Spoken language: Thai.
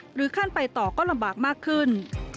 ขั้นไปต่อก็ลำบากมากขึ้น